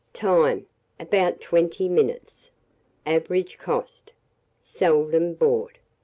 Time. About 20 minutes. Average cost. Seldom bought.